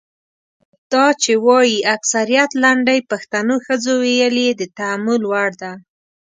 دا چې وايي اکثریت لنډۍ پښتنو ښځو ویلي د تامل وړ ده.